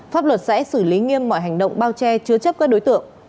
pháp luật sẽ xử lý nghiêm mọi hành động bao che chứa chấp các đối tượng